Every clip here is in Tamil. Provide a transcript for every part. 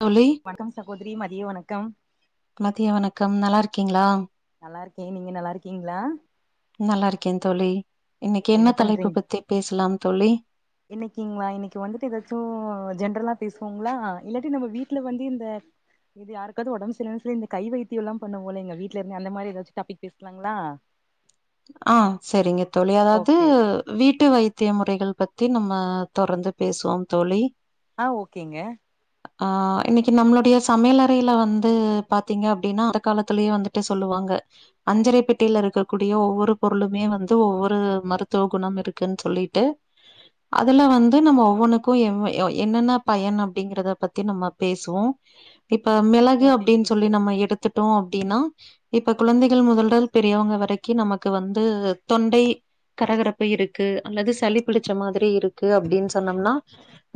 தோழி வணக்கம் சகோதிரி மதிய வணக்கம் மதிய வணக்கம் நல்லாருக்கீங்ளா நல்லாருக்கே நீங்க நல்லாருக்கீங்ளா நல்லாருக்கேன் தோழி இன்னக்கி என்ன தலைப்பு பத்தி பேசலாம் தோழி இன்னைக்கிங்ளா இன்னைக்கு வந்துட்டு எதாச்சு ஜென்ரலா பேசுவோங்ளா இல்லாட்டி நம்ம வீட்ல வந்து இந்த இது யாருக்காவ்து ஒடம்பு சரியில்ல சோ இந்த கை வைத்தியல்லா பண்ணுவோல இங்க வீட்லருந்து அந்த மாரி எதாச்சு டாபிக் பேஸ்லாங்ளா ஆ செரிங்க தோழி அதாவ்து ஓகே வீட்டு வைத்திய முறைகள் பத்தி நம்ம தொடர்ந்து பேசுவோம் தோழி ஆ ஓகேங்க ஆ இன்னைக்கு நம்மளுடைய சமையலறையில வந்து பாத்தீங்க அப்டின்னா அந்த காலத்திலயே வந்துட்டு சொல்லுவாங்க அஞ்சரைபெட்டியில இருக்கக்கூட் டிய ஒவ்வொரு பொருளுமே வந்து ஒவ்வொரு மருத்துவ குணம் இருக்குன் சொல்லிட்டு அதுல வந்து நம்ம ஒவ்வொனுக்கும் என் என்னென்ன பயன் அப்படிங்கறத பத்தி நம்ம பேசுவோம் இப்ப மிளகு ஓகேங்க அப்டின் சொல்லி சிஸ்டர் நம்ம எடுத் த்துட்டோ அப்டின்னா இப்ப கொழந்தைகள் முதல்டல் பெரியவங்க வரை க்கி நமக்கு வந்து தொண்டை கரகரப்பு இருக்கு அல்லது சளி பிடிச்ச மாதிரி இருக்கு அப்டின் சொன்னோம்னா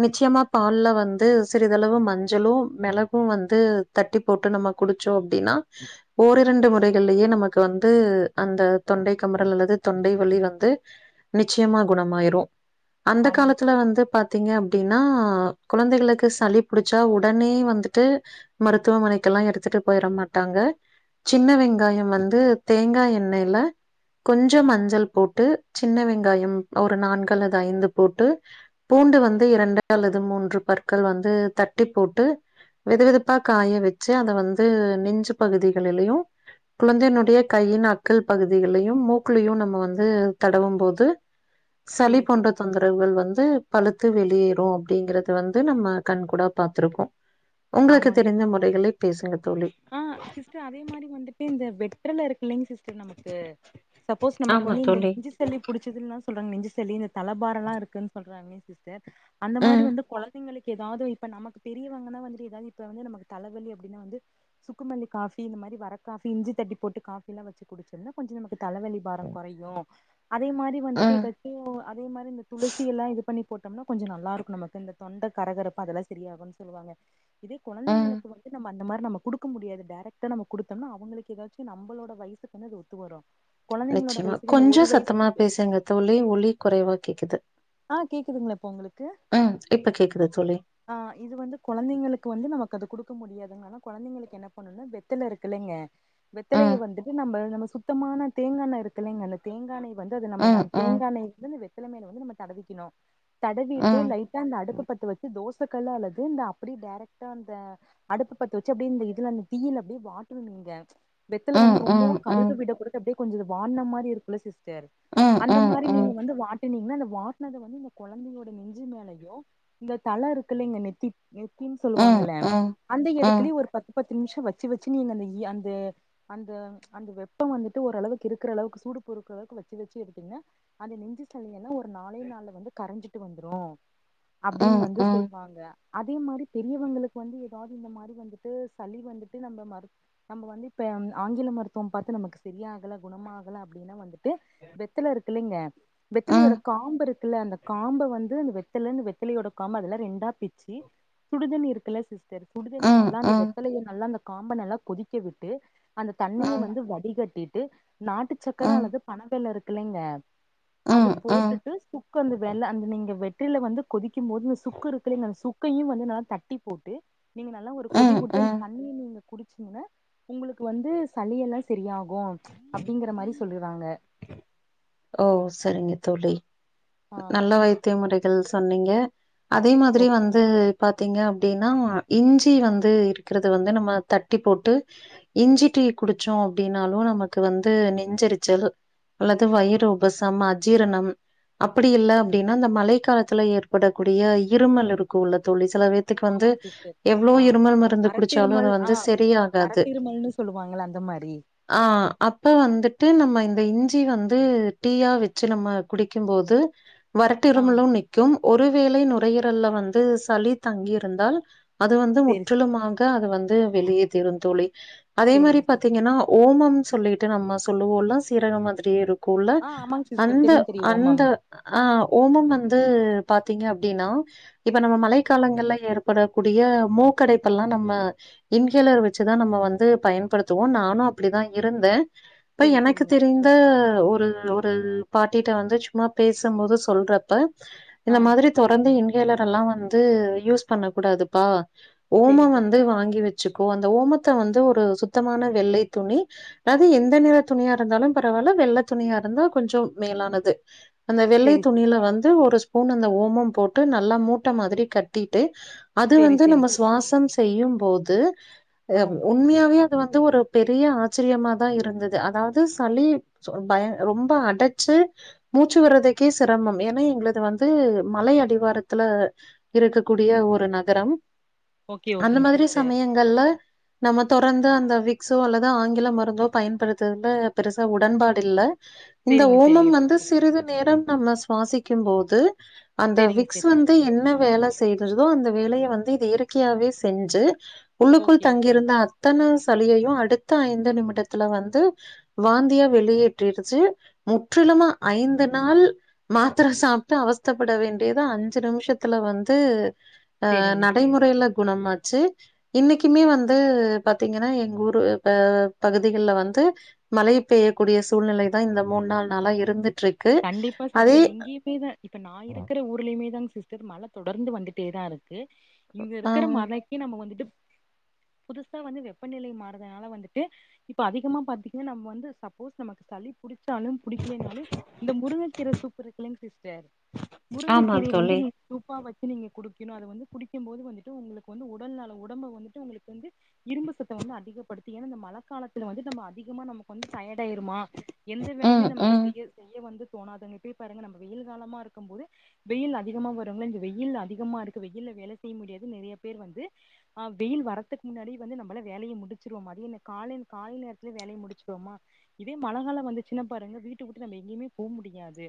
நிச்சயமா பால்ல வந்து சிறிதளவு மஞ்சளும் மெளகும் வந்து தட்டி போட்டு நம்ம குடிச்சோம் அப்டின்னா ஓர் இரண்டு முறைகள்லயே நமக்கு வந்து அந்த தொண்டை கமரல் அல்லது தொண்டை வலி வந்து நிச்சயமா குணமாயிரும் அந்த ஆமாங்க காலத்துல வந்து பாத் பாத்தீங்க அப்டின்னா குழந்தைகளுக்கு சளி புடிச்சா உடனே வந்துட்டு மருத்துவமனைக்கெல்லா எடுத்துட்டு போயிட மாட்டாங்க சின்ன வெங்காயம் வந்து தேங்கா எண் எண்ணெய்ல கொஞ்சம் மஞ்சள் போட்டு சின்ன வெங்காயம் ஒரு நான்கு அல்லது ஐந்து போட்டு பூண்டு வந்து இரண்டு அல்லது மூன்று பற்கள் வந்து தட்டி போட்டு வெது வெதுப்பா காய வெச்சு அத வந்து நெஞ்சு பகுதிகளிலயும் குழந்தையினுடைய கையின் ந அக்கள் பகுதிகள்ளயும் மூக்குளையும் நம்ம வந்து தடவும் போது சளி சேரி போன்ற சேரிங்க தொந்த ரவுகள் வந்து பழுத்து வெளியேறும் அப்டிங்கறத வந்து நம்ம கண் கூட பாத்திருக்கோ உங்களுக்கு ஆமாங்க தெரிந்த முறைகளை பேசுங்க தோழி ஆ சிஸ்டர் அதே மாரி வந்துட்டு இந்த வெற்றல இருக்கில்லைங் சிஸ்டர் நமக்கு சப்போஸ் ஆமா நமக்கு இந்த தோழி நெஞ்சி சளி புடிச்சதுல்லா சொல்றாங்க நெஞ்சளி இந்த தல பாரல்லா இருக்குன்னு சொல்றாங்களே சிஸ்டர் அந்த மாரி ம் வந்து குழந்தைங்களுக்கு ஏதாவது இப்ப நமக்கு பெரியவங்கனா வந்துட்டு ஏதாவது இப்ப வந்து நமக்கு தலவலி அப்டின்னா வந்து சுக்குமல்லி காஃபி இந்த மாரி வர காஃபி இஞ்சி தட்டி போட்டு காஃபிலா வச்சு குடிச்ச என்னா கொஞ்ச நமக்கு தலவலி பார கொறையு அதே மாரி வந்துட்டு ம் ஏதாச்சு அதே மாரி இந்த துளசி எல இது பண்ணி போட்டோம்னா கொஞ்ச நல்லா இருக்கு நமக்கு இந்த தொண்ட கரகரப்பு அதெல்லா சரியாகும்ன்னு சொல்லுவாங்க இதே ம் குழந்தளுக்கு வந்து நம் மந்த மாரி கூடு க்க முடியாது டைரக்டா நம்ம குடுத்தோம்னா அவங்களுக்கு ஏதாச்சு நம்மளோட வயசுது அது ஒத்து வரு குழந்தைங்களோட நிச்சயமா வயசுக்கு இந்த கொஞ்சோ ஒரு சத்தமா வயசுக்கு பேசுங்க தோழி ஒலி குறைவா கேக்குது ஆ கேக்குதுங்களா இப்போ உங்களுக்கு ம் இப்ப கேக்குது தோழி ஆ இது வந்து குழந்தைங்களுக்கு வந்து நமக்கது குடுக்க முடியாதுங்க ஆனா குழந்தைங்களுக்கு என்ன பண்ணும்னா வெத்தல இருக்குல்லங்க வெத்தலய ம் வந்துட்டு நம்ம நம்ம சுத்தமான தேங்க எண்ணெய இருக்குக்கலங்க தேங்கா எண்ணெய் வந்து அது ம் நம்ம ம் தேங்கா எண்ணய வந்து வெத்திலமே வந்து நம்ம தடவிக்கணு தடவிட்டு ம் லைட் அந்த அடுப்ப பத்த வச்சு தோசக்கல்ல அல்லது இந்த அப்டியே டேரெக்ட்டா அந்த அடுப்பு பத்து வச்சு அப்டியே இந்த இதுல அந்த தீயல்ல அப்டியே வாட்டணு நீங்க வெத்தல ம் வந்து ம் ரொம்பவு ம் கருக விட குடுத்து அப்டியே கொஞ்சம்து வாட்ன மாரி இருக்குல்ல சிஸ்டர் ம் ம் அந்த மாரி நீங்க ம் வந்து வாட்டனீங்கன்னா அந்த வா ட்னது வந்து இந்த குழந்தையோட நெஞ்சு மேலயோ இந்த தல இருக்குல்லங்க நெத்தி எப்பனு ம் ம் சொல்லுவாங்கல்ல ம் அந்த ம் இடத்துலயே ஒரு பத்து பத்து நிமிஷம் வச்சு வச்சு நீங்க அந்த இ அந்த அந்த அந்த வெப்பம் வந்துட்டு ஓரளவுக்கு இருக்குற அளவுக்கு சூடு பொறுக்குற அளவுக்கு வச்சு வச்சு எடுத்தீங்கன்ன அது நெஞ்சு சளின்னா ஒரு நா ஒரே நாள்ல வந்து கரைஞ்சிட்டு வந்துரு அ அப்டின்னு ம் வந்து ம் சொல்லுவாங்க அதே மாரி பெரியவங்களுக்கு வந்து எதாவது இந்த மாரி வந்துட்டு சளி வந்துட்டு நம்ம மரு நம்ம வந்து இப்ப ஆங்கில மருத்துவம் பாத்து நமக்கு சரியாகல குணமாகல அப்டின்னா வந் து வெத்தில இருக்குல்லைங்க ம் வெத்திலையோட காம்பு இருக்குல்ல அந்த காம்ப வந்து அந்த வெத் இருந்து வெத்தில காம்ப அதல ரெண்டா பிச்சி சுடுதண்ணி இருக்குல்ல சிஸ் டர் சுடு தண்ணில ம் நல்லா ம் அந்த ம் வெத்தலைய நல்லா அந்த காம்ப நல்லா கொதிக்க விட்டு அந்த தண்ணிய வந்து வடிகட்டிட்டு நாட்டு சக்கர அல்லது பண வேல்லோ இருக்குல்லங்க அது ம் ம் போட்டுட்டு சுக்கு அந்த வெல்ல அந்த நீங்க வெத்தல வந்து கொதிக்கும் போது இந்த சுக்கு இருக்குங்க அந்த சுக்கையு வந்து நல்லா தட்டி போட்டு நீங்க நல்லா ஒரு கொதி ம் விட்ட அந்த ம் தண்ணி நீங்க குடிச்சுங்கன்னா உங்களுக்கு வந்து சளி எல்லா சரியாகு அப்டிங்கிற மாரி சொல்லறாங்க ஓ சரிங்க தோழி ஆ நல்ல வைத்திய முறைகள் சொன்னீங்க அதே ஓ மாதிரி வந்து பாத்தீங்க அப்டின்னா இஞ்சி வந்து இருக்கிறது வந்து நம்ம தட்டி போட்டு இஞ்சி டீ குடிச்சோ அப்டின்னாலு நமக்கு வந்து நெஞ்செரிச்சல் அல்லது வயி று உபசம் அஜீரணம் அப்படி இல்ல அப்டின்னா இந்த மழை காலத்துல ஏற்படக்கூடிய இருமல் இருக்கூ இல்ல தோழி சிலபே த்துக்கு வந்து ஆமாங்க சிஸ்டர் எவ்ளோ ஆ இருமல் மருந்து குடிச்சாலு அது வரத்திருமல் ஆ வந்து சரியாகாது வரத்திருமல்னு சொல்லுவாங்கள அந்த மாரி ஆ அப்ப வந்துட்டு நம்ம இந்த இஞ்சி வந்து டீயா வச்சு நம்ம குடிக்கும்போது ஆ வறட்டிருமலு நிக் கும் ஒருவேளை நுரையீரல்ல வந்து சளி தங்கியிருந்தால் அது வந்து சேரி முற்றிலுமா க அது வந்து வெளியேத்திரு தோழி அதே மாரி சேரிங்க சேரிங்க பாத்தீங்கன்னா ஓமம் சொல்லிட்டு நம்ம சொல்லுவோல்ல சீரக மாதிரியே இருக்குல்ல ஆ ஆமாங்க சிஸ்டர் அந்த தெரியு தெரியு அந்த ஓமம் ஆ ஓமம் வந்து பாத்திங்க அப்டின்னா இப்ப நம்ம மழைக்காலங்கல்ல ஏற்படக்கூடிய மூக்கடைப்பெல்லா நம்ம இன்ஹேலர் வெச்சுதா நம்ம வந்து பயன்படுத்துவோ நானு அப்படிதா இருந்தே இப்ப சேரி எனக்கு சேரிங்க தெரிந்த சிஸ்டர் ஒரு ஒ பாட்டிட்ட வந்து சும்மா பேசும்போது சொல்றப்ப ஆ இந்த மாதிரி தொடர்ந்து இன்ஹேலர் எல்லா வந்து யூஸ் பண்ணக்கூடாதுப்பா ஓம சேரி சேரி வந்து வாங்கி வெச் சுக்கோ அந்த ஓமத்த வந்து ஒரு சுத்தமான வெள்ளை துணி அதாது எந்த நிற துணியா இருந்தாலு பரவால்ல வெள்ள துணியா இருந்தா கொஞ்ச மேலானது அந்த வெள்ளை சேரி சேரி துணில வந்து ஒரு ஸ் பூன் அந்த ஓமம் போட்டு நல்லா மூட்ட மாதிரி கட்டிட்டு அது சேரி வந்து சேரி நம்ம வாசம் செய்யும் போது ஆ அ உண்மையாவே அது வந்து ஒரு பெரிய ஆச்சரியமாதா இருந்துது அதாது சளி பய ரொம் ப அடச்சு மூச்சு விட்றதுக்கே சிரமம் ஏன்னா எங்களுது வந்து மலை அடிவாரத்துல இருக்கக்கூடிய ஒரு நகரம் ஓகே அந்த ஓகேங்க மாதிரி சிஸ்டர் சமயங்கள்ல நம்ம தொடர்ந்து அந்த விக்ஸோ அல்லது ஆங்கில மருந்தோ பயன்படுத்துரதுல பெருசா உடன்பாடில்ல இந்த சேரிங்க ஓமம் சேரிங்க சிஸ்டர் வந்து சிறிது நேரம் நம்ம சுவாசிக்கும்போது அந்த செரிங்க விக்ஸ் சிஸ் வந் து என்ன வேல செய்றதோ அந்த வேலய வந்து இது இயற்கையாவே செஞ்சு உள்ளுக்குள் ஓகே ஓகேங்க. தங்கியிருந்த அத்தன சளியையு அடுத்த ஐந்து நிமிடத்துல வந்து வந்தியா வெளியேற்றிடுச்சி முற்றிலுமா ஐந்து நாள் மாத்திர சாப்ட்டு அவஸ்தப்படவேண்டியது அஞ்சு நிமிஷத்துல வந்து அ செரிங்க செரிங்க நடைமுறைல சிஸ். குணமாச்சு இன்னிக்குமே வந்து பாத்திங்கன்னா எங்க ஊர் ப பகுதிகல்ல வந்து மழை பெய்யக்கூடிய சூழ்நிலைதா இந்த மூணு நாள் நாளா இருந்துட்ருக் கண்டிப்பா சிஸ்டர் இங்கியுமேத இப்ப நா இருக்கிற ஊர்லயுமே தாங்க சிஸ்டர் மழை தொடர்ந்து வந்துட்டேதா இருக்கு இங்க ஆ இருக்கிற மழை க்கு நாம வந்துட்டு புதுசா வந்து வெப்பநிலை மாறுதனால வந்துட்டு இப்ப அதிகமா பாத்திங்னா நம்ம வந்து சப்போஸ் நமக்கு சளி புடிச்சாலு புடிக்கலைனாலு முருங்கக்கீர சூப் இருக்கு இல்லைங் சிஸ்டர் ஆமா முருங்கக்கீரைய வந்து தோழி நீங் சூப்பா வச்சு நீங்க குடிக்கணு அத வந்து குடிக்கும்போது வந்துட்டு உங்களுக்கு வந்து உடல் நல உடம்ப வந்துட்டு உங்களுக்கு வந்து இரும்பு சத்த வந்து அதிகப்படுத்து ஏன்னா இந்த மழ காலத்துல வந்து நம்ம அதிகமா நமக்கு வந்து டயர்ட் ஆயிருமா எந்த வேலையுமே ம் நமக்கு ம் செய்ய செய்ய வந்து தோணாதுங்க இப்பயே பாருங்க நம்ம வெயில் காலமா இருக்கும் போது வெயில் அதிகமா வருங்ள இந்த வெயில் அதிகமா இருக்கு வெயில்ல வேல செய்ய முடியாதுன் நெறைய பேர் வந்து ஆ வெயில் வரத்துக்கு முன்னாடி வந்து நம்பளா வேலய முடிச்சிருவோ மதிய என்ன காலை காலை நேரத்துலயே வேலய முடிச்சிருவமா இதே மழகால வந்துச்சின்னா பாருங்க வீட்ட வுட்டு நம்ம எங்கயுமே போ முடியாது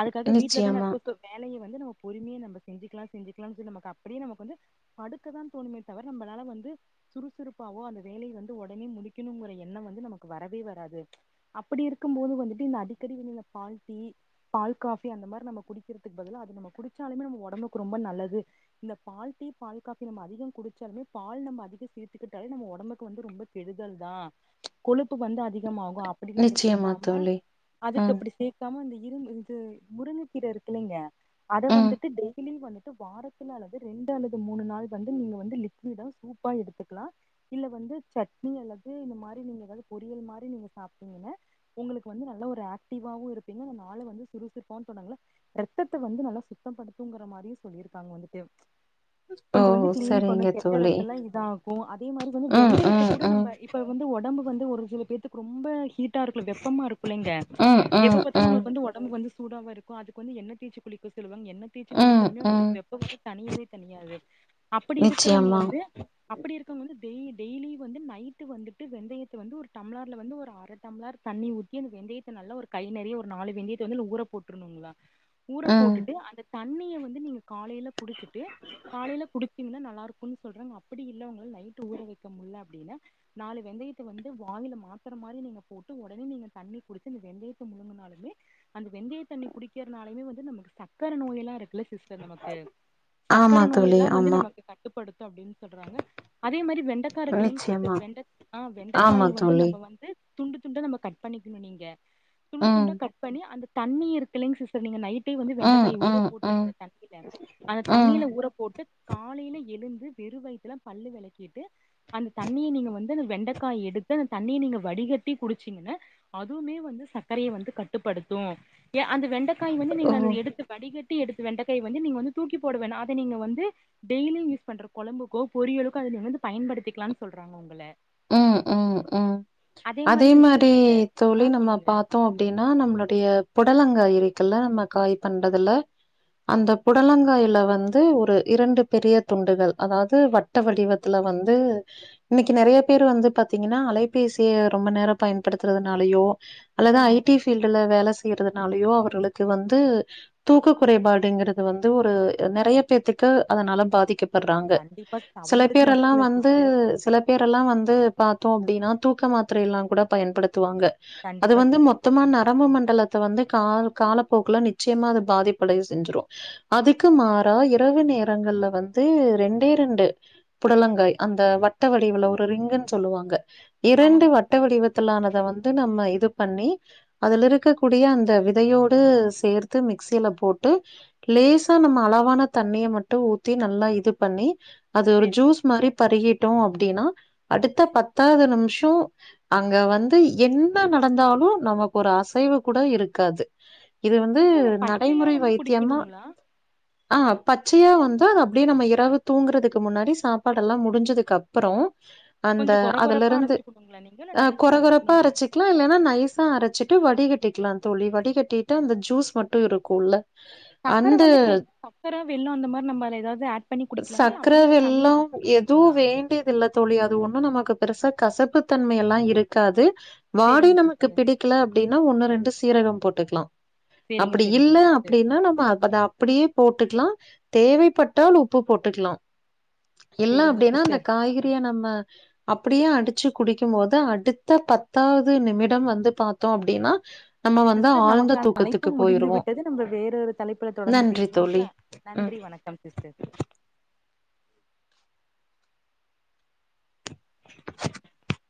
அதுக்காக வீட்லதா நா நிச்சயமா வேலய வந்து நம்ம பொறுமையா நம்ப செஞ்சுக்கலா செஞ்சிக்கலானு சொல்லி நமக்கு அப்படியே நமக்கு வந்து படுக்கதா தோணுமே தவிர நம்பளால வந்து சுறுசுறுப்பாவோ அந்த வேலைய வந்து உடனே முடிக்கணுங்கற எண்ணம் வந்து நமக்கு வரவே வராது அப்படி இருக்கும்போது வந்துட்டு இந்த அடிக்கடி நீங்க பால் டீ பால் காஃபி அந்த மாரி நம்ம குடிக்கிறதுக்கு பதிலா அது நம்ம குடிச்சாலுமே நம்ம ஒடம்புக்கு ரொம்ப நல்லது இந்த பால் டீ பால் காஃபி நம்ம அதிகம் குடிச்சாலுமே பால் நம்ம அதிக சேத்துக்கிட்டாலே நம்ம ஒடம்புக்கு வந்து ரொம்ப கெடுதல்தா கொழுப்பு வந்து அதிகமாகு அப்படி நீங்க நிச்சயமா சேக்காம தோழி அதுக்கு ம் அப்படி சேக்காம இந்த இரும் இது முருங்ககீர இருக்குலைங்க அத ம் வந்துட்டு டெய்லி வந்துட்டு வாரத்துல அல்லது ரெண்டு அல்லது மூணு நாள் வந்து நீங்க வந்து லி நீ தா சூப்பா எடுத்துக்குலா இல்ல வந்து சட்னி அல்லது இந்த மாரி நீங்க ஏதாவது பொரியல் மாரி நீங்க சாப்பிட்டீங்கன்னு உங்குளுக்கு வந்து நல்லா ஒரு ஆக்டிவாவவு இருப்பீங்க அந்த நாள வந்து சுறுசுறுப்பாவு தொடங்கலா ரத்தத்த வந்து நல்லா சுத்தம் படுத்தும்ங்கற மாரியு சொல்லியிருக்காங்க வந்துட்டு ஓ கொஞ்சோ வந்து கிளீன் பண்ணு சரிங்க கெட்ட தோழி ரத்தோலா இதா ஆகோ அதே மாதிரி வந்து ம் வெந்தயத்த ம் கூட ம் நம்ப இப்ப வந்து ஒடம்பு வந்து ஒரு சில பேத்துக்கு ரொம்ப ஹீட்டா இருக்குல வெப்பமா இருக்குலைங்க ம் எப்ப ம் பாத்தாலு ம் உங்குளுக்கு வந்து ஒடம்பு வந்து சூடாவே இருக்கோ அதுக்கு வந்து எண்ணெ தேச்சு குளிக்க சொல்லுவாங்க எண்ணெ தேச்சு ம் குளிச்சாலுமே ம் அவுங்குளுக்கு வெப்பம் வந்து தனியவே தனியாது அப்டி இருக்கறவங்க நிச்சயமா வந்து அப்டி இருக்கவங்க வந்து டெய் டெய்லி வந்து நைட்டு வந்துட்டு வெந்தயத்த வந்து ஒரு டம்பளர்ல வந்து ஒரு அர டம்ளர் தண்ணி ஊ இப்பயே அந்த வெந்தயத்த நல்லா ஒரு கை நறையா ஒரு நாலு வெந்தயத்த வந்து ஊற போட்டுருனுங்களா ஊற ம் போட்டுட்டு அந்த தண்ணிய வந்து நீங்க காலைல குடிச்சுட்டு காலையில குடிச்சீங்கன்னா நல்லா இருக் கோனு சொல்றாங்க அப்டி இல்ல உங்களால நைட் ஊற வெய்க்க முடில அப்டீன்னா நாலு வெந்தயத்த வந்து வாளில மாத்தர மாரி நீங்க போட்டு ஒடனே நீங்க தண்ணி குடிச்சு இந்த வெந்தயத்த முழுங்குனாலுமே அந்த வெந்தய தண்ணி குடிக்கிறனாலுமே வந்து நமக்கு சக்கர நோய் எல்லா இருக்குல சிஸ்டர் நமக்கு ஆமா சக்கர நோய் தோழி எல்லா வந்து ஆமா நமக்கு கட்டுப்படுத்தோ அப்டீன்னு சொல்றாங்க அதே மாரி வெண்டக்கா இருக்கு இல்லைங்க சிஸ்டர் நிச்சயமா வெண்ட ஆ ஆமா வெண்டைக்காய வந்து தோழி நம்ப வந்து துண்டு துண்டா நம்ம கட் பண்ணிக்கணோ நீங்க துண்டு ம் துண்டா கட் பண்ணி அந்த தண்ணி இருக்குலைங்க சிஸ்டர் நீங்க நைட் டே வந்து ம் வெண்டக்காய ஊற ம் போட்டுருங்க ம் அந்த தண்ணீல அந்த ம் தண்ணீல ஊற போட்டு காலைல எழுந்து வெறு வயித்துல பல்லு வெளக்கிட்டு அந்த தண்ணீய நீங்க வந்து அந்த வெண்டைக்காய் எடுத்து அந்த தண்ணிய நீங்க வடிகட்டி குடிச்சீங்கன்னா அதுவுமே வந்து சக்கரய வந்து கட்டுப்படுத்து ஏ அந்த வெண்டைக்காய வந்து ஓ! நீங்க எடுத்து வடிகட்டி எடுத்து வெண்டக்காய வந்து நீங்க வந்து தூக்கி போட வேணா அத நீங்க வந்து டெய்லியு யூஸ் பண்ற கொழம்புக்கோ பொரியலுக்கோ அத நீங்க வந்து பயன்படுத்திக்கலானு சொல்றாங்க உங்கள உம் உம் உம் அதே சிஸ்டர் மாரி இந்த ஆ தோழி நம்மோ சொல்லுங்க பாத்தோ அப்டீன்னா நம்ளோடைய பொடலங்காயி இருக்குல நம்ம காய் பண்றதுல அந்த புடலங்காயில வந்து ஒரு இரண்டு பெரிய துண்டுகள் அதாவது வட் ட வடிவத்துல வந்து இன்னைக்கி நறைய பேரு வந்து பாத்தீங்கன்னா அலைபேசிய ரொம்ப நேரோ பயன்படுத்துறனாலயோ அல்லது ஆ ஐ டி ஃபீல்டுல வேல செய்றதுனாலயோ அவர்களுக்கு வந்து தூக்க கொறைபாடுங்கறது வந்து ஒரு நறைய பேத்துக்கு அதனால பாதிக்க படுறாங்க கண்டிப்பா சிஸ். செல அவங்களுக்கு பேர் மட்டு எல்லா இல்ல வந்து சிஸ்டர் செலப் பேரெல்லா வந்து பாத்தோ அப்டீன்னா தூக்கோ மாத்திரை எல்லா கூட பயன்படுத்துவாங்க அது கண்டிப்பா வந்து சிஸ் மொத் மொத்தமா நரம்பு மண்டலத்த வந்து கா காலப்போக்குல நிச்சயமா அது பாதிப்படைய செஞ்சிரோ அதுக்கு மாறா இரவு நேரங்கள்ல வந்து ரெண்டே ரெண்டு புடலங்காய் அந்த வட்ட வடிவுல ஒரு ரிங்குன்னு சொல்லுவாங்க இரண்டு ஆமாங்க வட்ட சிஸ்டர் வடிவ முத்தலானத வந்து நம்ம இது பண்ணி அதுல இருக்க கூடிய அந்த விதையோடு சேர்த்து மிக்சில போட்டு லேசா நம்ம அளவான தண்ணீய மட்டு ஊத்தி நல்லா இது பண்ணி அது ஒரு சரி ஜூஸ் மாரி பருகிட்டோ அப்டீன்னா அடுத்த பத்தாவது நிமிஷோ அங்க வந்து என்ன நடந்தாலு நமக்கு ஒரு அசைவு கூட இருக்காது இது வந்து சிஸ்டர் பச்சையா நடைமுறை வந்து வைத்தியமா குடிக்கணுங்களா ஆ பச்சையா வந்து அது அப்டியே நம்ம இரவு தூங்குறதுக்கு முன்னாடி சாப்பாடெல்லா முடிஞ்சதுக்கு அப்புறோ அந்த கொஞ்சோ கொர அதுல கொரப்பா இருந்து அரச்சுக்கணுங்களா நீங்க இல்ல அ நைஸா கொர கொரப்பா அரச்சுக்கணுங்களா அரச்சி வெக்கலா இல்லன்னா நைஸா அரச்சிட்டு வடிகட்டிக்குலா தோழி வடிகட்டிட்டு அந்த ஜூஸ் மட்டு இருக்கோல சக்கரை வந்து கே சக்கர வெல்லம் அந்த மாதிரி நம்ம அத ஏதாவது ஆட் பண்ணி குடிக்கலாங்களால்ல சக்கர, அப்படிய அ தண்ணியை வெல்லம் எதுவும் வேண்டியதில்லத் தோழி அது ஒண்ணும் நமக்கு பெருசா கசப்பு தன்மை எல்லாம் இருக்காது வாடி சேரிங்க நமக்கு சிஸ்டர் பிடிக் கல அப்டின்னா ஒன்னு ரெண்டு சீரகம் போட்டுக்கலாம் சேரிங்க அப்புடி சேரிங்க இல்ல சிஸ்டர் அப்புடின்னா நம்ம அப்டியே போட்டுக்கலாம் தேவைப்பட்டா உப்பு போட்டுக்கலாம் இல்ல சேரிங்க அப்டின்னா அந்த சிஸ்டர் காய்கறிய நம்ம அப்டியே அடிச்சு குடிக்கும் போது அடுத்த பத்தாவது நிமிடம் வந்து பாத்தோம் அப்படின்னா சிஸ்டர் நமக்கான அழைப்பு முடிந்து விட்டது நம்ம வேற ஒரு தலைப்புல தொடர்ந்து நன்றி தோழி. பேசுவோங்களா நன்றி வணக்கம் சிஸ்டர் [inaudible]